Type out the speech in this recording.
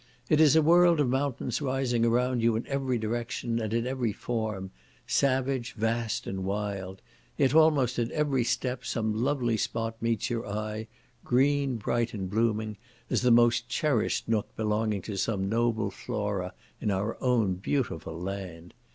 It is a world of mountains rising around you in every direction, and in every form; savage, vast, and wild; yet almost at every step, some lovely spot meets your eye, green, bright and blooming, as the most cherished nook belonging to some noble Flora in our own beautiful land.